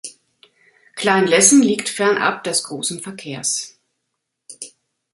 Klein Lessen liegt fernab des großen Verkehrs.